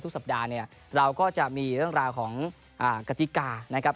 ทุกสัปดาห์เราก็จะมีเรื่องราวของการอธิกา